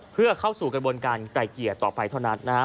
เพื่อเข้าสู่กระบวนการไก่เกลี่ยต่อไปเท่านั้นนะฮะ